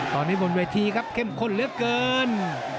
ตอนนี้บนเวทีครับเข้มข้นเหลือเกิน